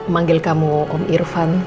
manggil kamu om irfan